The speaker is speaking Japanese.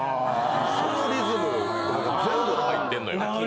そのリズム全部が入ってんのよ。